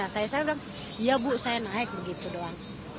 saya bilang ya bu saya naik begitu doang